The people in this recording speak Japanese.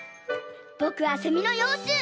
ぼくはセミのようちゅう。